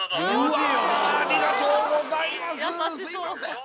うわすいません